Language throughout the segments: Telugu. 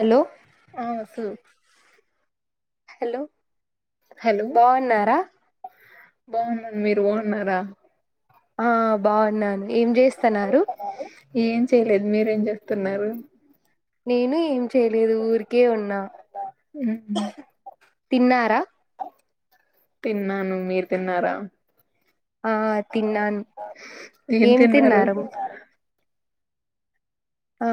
హలో ఆ సు హలో బాగున్నారా బాగున్నాండి మీరు బాగున్నారా ఆ బాగున్నాను ఏం చేస్తున్నారు ఏం చేయలేదు మీరు ఏం చేస్తున్నారు నేను ఏం చేయలేదు ఊరికే ఉన్నా ఉమ్, తిన్నారా తిన్నాను మీరు తిన్నారా ఆ తిన్నాను ఏం తిన్నారు ఆ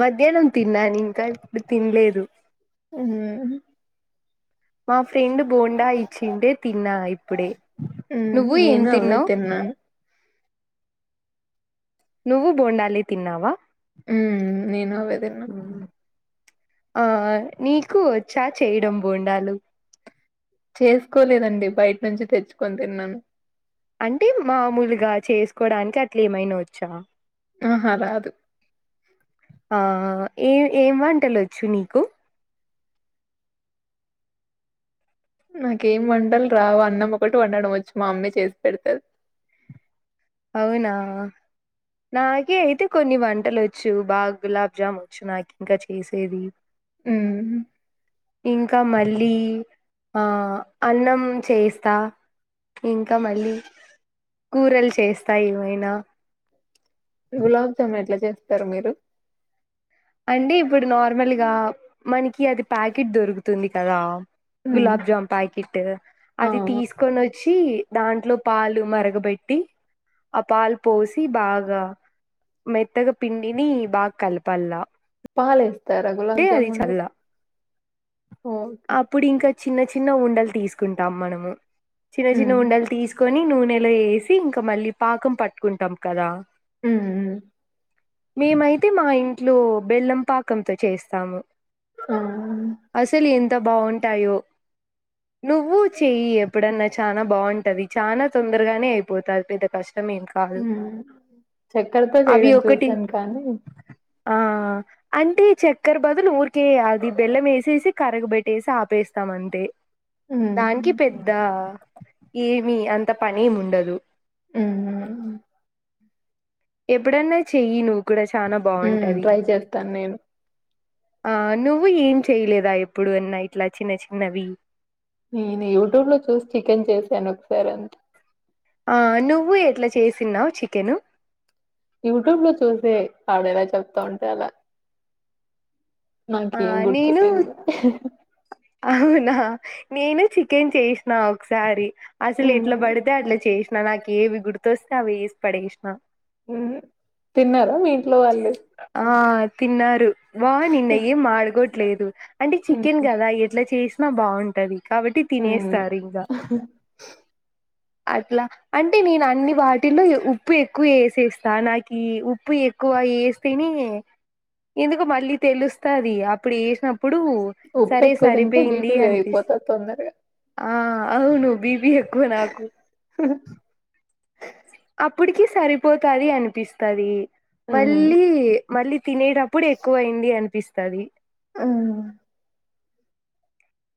మధ్యాహ్న తిన్నాను ఇంకా ఇప్పుడు తినలేదు ఉమ్, మా ఫ్రెండ్ బోండా ఇచ్చింటే తిన్నా ఇప్పుడే ఉమ్, నువ్వు ఏం నేను అవే తిన్నావు తిన్నాను నువ్వు బోండాలి తిన్నావా ఉ నేను అవే తిన్న మ్మ్. ఆ నీకు వచ్చా చేయడం బోండలు చేసుకోలేదండి బయట నుంచి తెచ్చుకొని తిన్నాను అంటే మామూలుగా చేసుకోడానికి అట్లా ఏమైన వచ్చా ఆహా రాదు ఆ ఏ ఏం వంటలు వచ్చు నీకు నాకేం వంటలు రావు అన్నం ఒకటి వండడం వచ్చు మా అమ్మే చేసి పెడతది అవునా నాకే అయితే కొన్ని వంటలు వచ్చు బాగా గులాబ్జాము వచ్చు నాకు ఇంకా చేసేది ఆ ఇంకా మళ్ళీ అన్నం చేస్తా ఇంకా మళ్ళీ కూరలు చేస్తా [unintelligible] గులాబ్ జామ్ ఎట్ల చేస్తా స్తరు మీరు అంటే ఇప్పుడు నార్మల్ గా మనకి అది ప్యాకిట్ దొరుకుతుంది కదా గులాబ్ జామ్ ప్యాకిట్ అది తీసుకొని వచ్చి దాంట్లో పాలు మరగబెట్టి ఆ పాలు పోసి బాగా మెత్తగా పిండిని బాగా కలపల్లా పాల్ ర్ర అంటే గులాబ్ అది జమున్లో చల్ల అప్పుడు ఇంకా చిన్న చి చిన్న ఉండల్ తీసుకుంటాం మనము ఉమ్, చిన్నచిన్న ఉండలు తీసుకొని నూనెలో ఏస్ సీ ఇంకా మళ్ళీ పాకం పట్టుకుంటాం కదా హ్మ్ మేమైతే మా ఇంట్లో బెల్లం పాకంతో చేస్తాము ఆ అసలు ఎంత్ ఎంత బావుంటాయో నువ్వు చెయి ఎప్పుడన్న చానా బాగుంటది చానా తొందరగానే అయిపోతాది పెద్ద కష్టం ఏం కాదు మ్మ్ చక్కరతో అవి చేయడం ఒకటి చూసాను కానీ ఆ అంటే చక్కెర బదులు ఊరికే అది బెల్లం ఏసేసి కరగబెట్ ఏసి ఆపేస్తాం అంతే మ్మ్ దానికి పెద్ద ఏ మీ అంత పని ఎమ్ ఉండదు ఉహు ఎప్పుడన్న చెయి నువ్వు కూడా చాలా హ్మ్ బాగుంటది ట్రై చేస్తాను నేను ఆ నువ్వు ఏం చేయలేదా ఎప్పుడు అన్నా ఇట్లా చిన్న చిన్నవి నేను యూట్యూబ్ లో చూసి చికెన్ చేశాను ఒకసారి అంత్ ఆ నువ్వు ఎట్లా చేసినవు చికెను యూట్యూబ్ లో చూసే వాడు ఎలా చెప్తా ఉంటే అలా ఆ నాకేం నేను గుర్తులేదు అవునా నేను చికెన్ చేసినా ఒకసారి అసలు ఎట్లా మ్మ్ బడిత అట్ల చేసినా ఏవి గుర్తొస్తే అవి ఏసి పడేసిన మ్మ్ తిన్నార మీ ఇంట్లో వాళ్ళు ఆ తిన్నారు బాగున్నిండా ఏం మడగోట్ లేదు అంటే మ్మ్ చికెన్ కదా ఎట్లా చేస్ ఆ బాగుంటది కాబట్టి మ్మ్ తినేస్తార్ ఇంకా అట్లా అంటే నేను అన్ని వాటిల్లో ఉప్పు ఎక్కువ వేసేస్తా నాకు ఉప్పు ఎక్కువ వేస్తేనే ఎందుకు మళ్ళీ తెలుస్తది అప్పుడు వేసినప్పుడు ఉప్పు సరే ఎక్కువ తింటే సరిపోయింది బీపీ అనిపిస్ పెరిగిపోతాదీ తొందరగా ఆ అవును బీపీ ఎక్కువ నాకు ఆ ఇప్పుటికి సరిపోతది అనిపిస్తది మ్మ్ మళ్ళీ మళ్ళీ తినేటప్పుడు ఎక్కువ అయింది అనిపిస్తది ఆ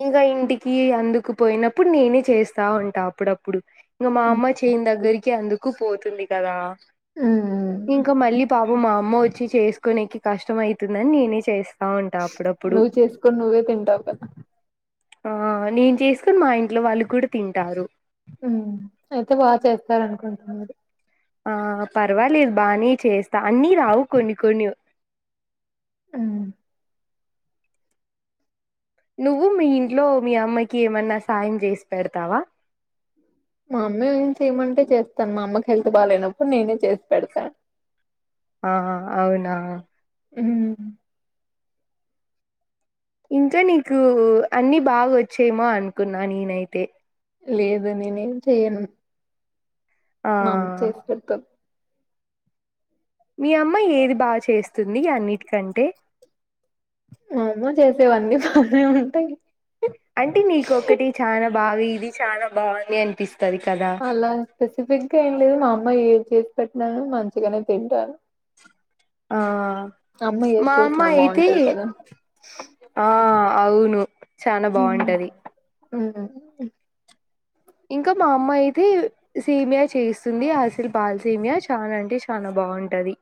ఇంకా ఇంటికి అందుకుపోయినప్పుడు నేనే చేస్తా. ఉంటా అప్పుడప్ ఇంకా మా అమ్మ చెయని దగ్గరికి అందుకు తక్కుపోతుంది కదా మ్మ్ ఇంక మళ్ళీ పాప్ మా అమ్మ వచ్చి చేసుకోనేకి కష్టం అయితుందని నేనే చేస్ నువ్వు చేసుకొని నువ్వే తింటావు కద ఆ నేను చేసుకొని మా ఇంట్లో వాళ్ళు కూడ తింటారు సార్ అనుకుంటున్న ఆ పర్వాలేదు బానే చేస్తా అన్ని రావు కొన్ని కొన్ని ఊ నువ్వు మీ ఇంట్లో మీ అమ్మకి ఏమన్నా సాయం చేసి పెడతావా. మా అమ్మీ ఏ చేయమంటే చేస్తాను. మా అమ్మకి హెల్త్ బాలేనప్పుడు నేనే చేసి పెడతాన్ ఆ అవునా ఉ ఇంకా నీకు అన్ని బాగా వచ్చేమో అనుకున్నా నేనైతే లేదు నేనేం చెయ్యను ఆ మమ్ చేసి పెడత మీ అమ్మ ఏది బాగా చేస్తుంది అన్నిటికంటే మా అమ్మ చేసేవన్నీ బానే ఉంటాయి అంటే నీకు ఒకటి చాలా బాగా ఇది చాలా బాగుంది అనిపిస్ అలా స్పెసిఫిక్ గా ఏం లేదు మా అమ్మ ఏ చేసి పెట్నాను మంచిగనే తింటాను ఆ అమ్మ ఏది మా అమ్మ చేసినా అయితే బాగుంటది కదా ఆ అవును చాన బాగుంటది. ఆ ఇంకా మా అమ్మ అయితే సేమియా చేస్తుంది. అసలు పాల్ సేమియా చాలా అంటే చాలా బాగుంటది.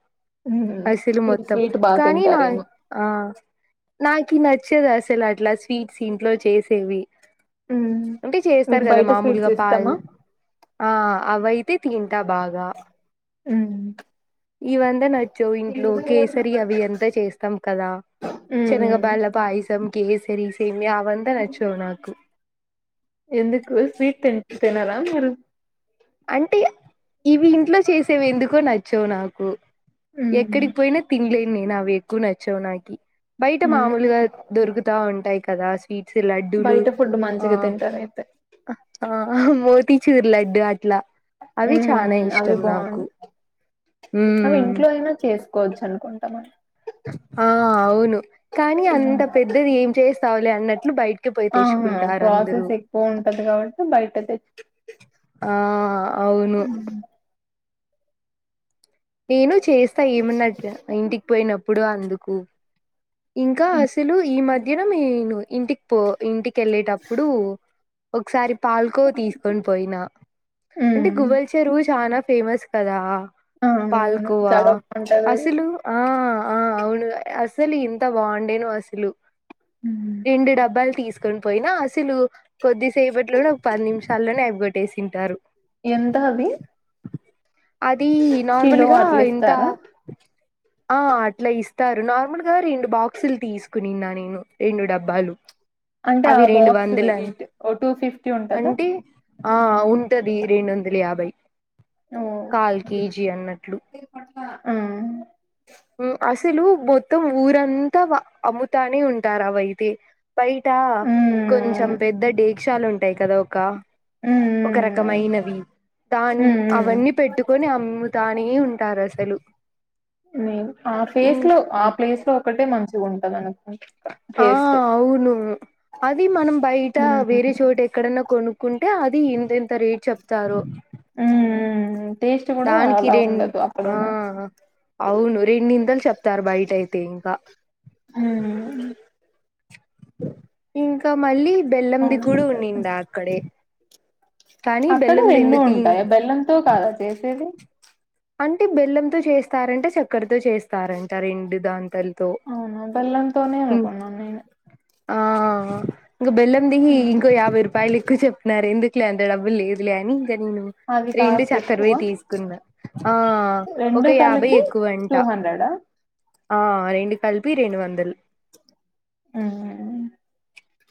హ్మ్. అసలు మీరు మొత్తం స్వీట్ బాగా కానీ నా తింటారేమో ఆ నాకి నచ్చదు అసలు అట్లా స్వీట్స్ ఇంట్లో చేసేవి హ్మ్ అంటే చేస్తారు మీకు కదా బయట మామూలు స్వీట్స్ గపాల్ ఇష్టమా ఆ అవై అది తింటా బాగా హ్మ్ ఇవంతా నచ్చవు ఇంట్లో కేసరి అవి అంతా చేస్తాం. కదా చేనగ హ్మ్ బ్యాళ్ళ పాయసం. కేసరి సేమ్యా అవుంత నచ్చవు నాకు ఎందుకు స్వీట్ తిం తేనర మీరు అంటే ఇవి ఇంట్లో చేసేవి ఎందుకో నచ్చవు నాకు ఉమ్ ఎక్కడికి పోయినా తిన్లీ నేనా ఎక్కువ నచ్చవు నాకి బయట ఉమ్ మామూలుగా దొరుకుతా ఉంటాయి కదా స్ స్వీట్స్ లడ్డూలు బయట ఫుడ్ ఆ మంచిగా తింటారు అయితే ఆహా మోత్ తెచుర్ లడ్డ యా అట్లా అవి చాలా ఉమ్ అవి ఇష్టం నాకు బాగుండు అవి మ్మ్ ఇంట్లో అయినా చేసుకోవచ్చు అనుకుంటా మేం ఆ అవును కానీ అంత ఉమ్, పెద్దది ఏం చేస్తావులే అన్నట్లు బయటికి పోయి ఆహా తెచ్చుకుంటారు అందరూ ప్రాసెస్ ఎక్కువ ఉంటది కాబట్టి బయట తెచ్చు ఆ అవును నేను చేస్తా ఏమన్నట్టు ఇంటికి పోయినప్పుడు అందుకు కు ఇంకా అసలు ఈ మధ్య దన నేను ఇంటికి పో ఇంటికి వెళ్ళేటప్పుడు ఒకసారి పాల్కో తీసుకొని పోయినా అంటే ఉమ్ గువల్ చెరువు చానా ఫేమస్ కదా ఆ, అవును పల్కువా చాలా బాగుంటది అది అసు ఆ అవును అసలు ఇంత బాగుండేను అసలు ఉమ్, రెండు డబ్బాలు తీసు తీసుకొని పోయినా అసలు కొద్దిసేపట్లోనే ఒక పది నిమిషాల్లోనే అగగొట్టేసింటారు ఎంత అవి అది కిలో నార్మల్గా అట్లా ఇంత ఇస్తారా ఆ అట్లా ఇస్తారు నార్మల్గా రెండు బాక్సులు తీసుకునిన్నా నేను రెండు డబ్బాలు అంటే అవి ఆ రెండు బాక్స్ వందల వెయిట్ ఓ టూ ఫిఫ్టీ ఉంటదా అంటే ఆ ఉంటది రెండు వందల యాభై ఓ కాల్ కేజీ అన్నట్లు ఆ ఉమ్ అసలు మొత్తం ఊరంతా అమ్ముతానే ఉంటారు అవయితే బయట కొంచెం ఉమ్ పెద్ద దడీక్షాలు ఉంటాయి యి కద ఒక ఒక ఉమ్ రకమైనవి దాన్ ఉమ్ ఉమ్ అవన్నీ పెట్టుకొని అమ్ దాని ఉంటారు అసలు నేను ఆ ఇం ప్లేస్ లో ఆ ప్లేస్ లో ఒకటే మంచిగా ఉంటంది అనుకోండి ఆ అవును అది మనం బయట ఉమ్ వేరే చోట ఎక్కడ కొనుక్కుంటే అది ఇంతెంత రేట్ చెప్తారో ఆ దానికి రెం ఆ అవును రెండిందలు చెప్తారు బయట అయితే ఇంకా ఉమ్ ఇంకా మళ్ళీ బెల్లంది అవును కూడా ఉన్నింది అక్కడే కానీ అక్కడ బెల్లంది రెండు ఎందుకు ఉంటాయ బెల్లంతో కాదా చేసేది అంటే బెల్లంతో చేస్తారంటే చక్కర్ చేస్తారంట రెండు దాంతలతో అవునా బెల్లంతోనే అనుకున్నాను నేను ఆ ఇంకా బెల్లం ది ఇంకో యాభై రూపాయలు ఎక్కువ చెప్పినన్నారు ఎందుకు లే అంత డబ్బులు లేదు లే అని ఇ నేను అది రెండు కాస్ట్ ఎక్కువ చక్కరవే తీసుకున్నా ఆ ఒక రెండు యాభై కలిపి ఎక్కువ అంట టూ హండ్రెడా ఆ రెండు కలిపి రెండు వందలు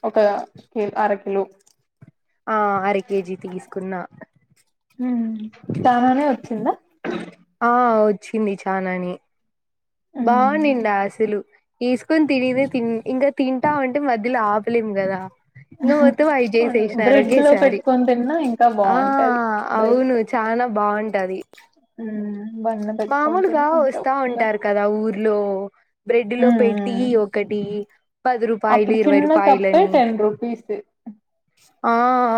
ఒక కి అర కిలో ఆ అర కేజీ తీసుకున్నా తమనే వచ్చంద అ ఆ వచ్చింది చాలానే బా ఉమ్ నిండా అసలు తిసుకొని తినదే తి ఇంకా తింటా అంటే మధ్యలో ఆపలేం కదా ఇంక మొత్తం అయిపో చేసేసినారు బ్రెడ్ లో ఒకేసారి పెట్టుకొని తిన్నా ఇంకా ఆ బాగుంటది బ్రెడ్ అవును చాలా బాగుంటది ఆ మామూలుగా వస్తా ఉంటారు కదా ఊర్లో బ్రెడ్ లో పెట్టి ఒకటి పది రూపాయలు అప్పుడు ఇరవై చిన్న కప్పే రూపాయలని టెన్ రూపీస్ ఆ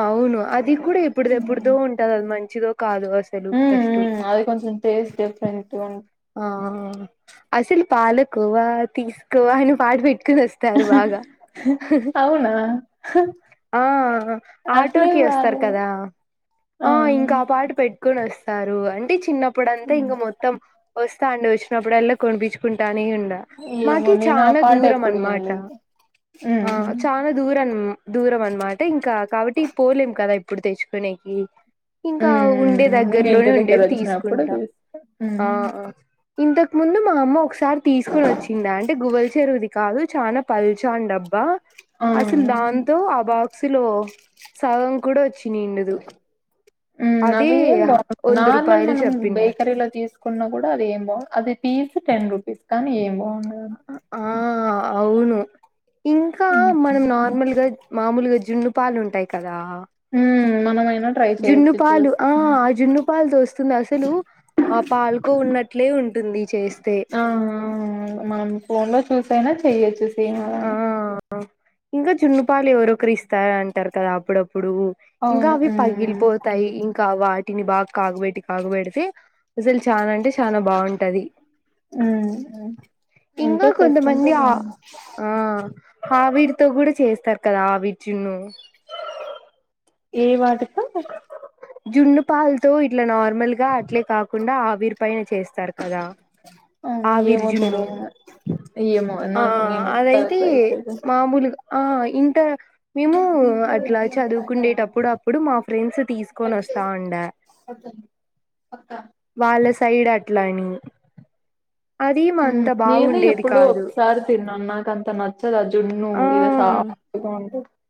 అవును అది కూడా ఇప్పుడు ఎప్పుడుదో ఉంటద అనమాంట చి ఊ ఊ అది కొంచం టేస్ట్ డిఫరెంట్గా ఉం ఆ! అసలు పాలకోవా తీసుకోవా అని పాడి పెట్ హ్ హ్ అవునా హ్ ఆ ఆటోకి వస్తారు కదా ఆ ఇంక ఆ పాట పెట్కొని వస్త ప్తారు అండి చ్ తిన్నప్పుడుంత ఇంగ మొత్తం వొస్ తాండు వచ్చినప్పుడుల్ల కొనిపించ్చుకుంటానే ఉన్ ఏమో మాకి నేను ఆ చాన పాట దూరం ఎప్పుడు అన్మాట వినలేదు ఆ చాన దూరం దూరం అన్ మాట ఇంకా కాబట్టి పోలేం కదా ప్పుడు తెచ్చుకునేకీ ఇంకా ఉండే ఇంక దగ్గరలోనే ఇంటి దగ్గర ఉండేవి వచ్చినప్పుడు తీసుకుంటాం చూస్తా ఆ ఇంతకు ముందు మా అమ్మ ఒక తాడు తీసుకొని వచ్చిందా అండి గువల్ చెరువుది కాదు చానా పల్చావుందఅబ్బా అసలు ఆ దాన్తో అబా అసలూ సగం కూడా వచ్చి మ్మ్ అవి ఏం బావుండవు వంద నార్మల్ రూపాయలు మనం చెప్పింది బేకరీలో తీసుకున్నా కూడా అది ఏం బావు అది పీస్ టెన్ రుపీస్ కానీ ఏం బావు అ అ ఆ అవును ఇంకా హ్మ్. మనం నార్మల్గా మామూలుగా జున్ను పాలు ఉంటాయి కదా, హ్మ్. మనమైనా ట్రై జున్ను చేయొచ్చు పాలు చూసి. ఆ ఆ జున్ను పాలుతోస్తుంది అసలూ ఆ పాలుకోవున్నట్లే ఉం టుంది చేసి స్తే ఆ! అవును. మనం పొన్గా ఆ ఇంక జున్నుపాలు ఎవరోకరిస్ అన అంటారు కదా అప్పుడప్పుడూ ఇంకా అవును. అవి హ్మ్. పగిలిపోతాయి ఇం క వాటిని బాగ కాగబెట్టి కాగబెడితే అసలు చాన అంటే చాన బాగుంటది హ్మ్. హ్మ్. ఇంకా ఇంట్లో కొంతమంది చేసుకుంటే దిగా బావుండు. ఆ ఆవిరితో కూడా చేస్తారు కదా ఆవిరిజున్ను ఏ వాటితో జున్ను పాల్తో ఇట్ల నార్మల్ గా అట్లే కాకుండా ఆవిరి పై చేస్తారు కదా అవును. ఏమో ఆవిరిజున్ను తెలియదు మరి. ఏమో ఆ నాకు నేనెప్పుడు అదైతే ట్రై చేయలే. మామూలుగ ఆ ఇంత మేము అట్లా చదువుకుండేటప్పుడు అప్పుడు మాకు ఫ్రెండ్స్ తీసుకొని వస్తా ఉండ వాళ్ళ సైడ్ అట్లాని నేను ఎప్పుడు ఒకసారి తిన్నాను నాకంత నచ్చదు అ చున్ను ఆ ఇద సాఫం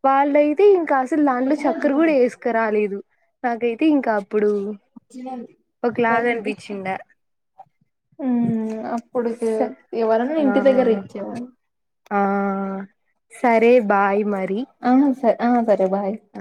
వాళ్ళయితే ఇంకా అసలు దాంట్లో చక్కర కూడా వేసుకు రాలేదు నాకైతే ఇంకా అప్పుడు ఒక లాగ అనిపించిండ ఉమ్ అప్పుడు ఎవరన్నా ఇంటి దగ్గర ఇచ్చేవాళ్ళు ఆ సరే బాయ్ మరి అసర బాయ్ ఆ